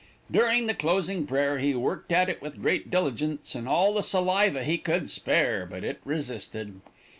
"During the closing prayer he worked at it with great diligence and all the saliva he could spare, but it resisted.